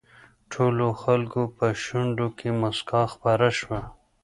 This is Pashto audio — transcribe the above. ټولو خلکو په شونډو کې مسکا خپره شوه.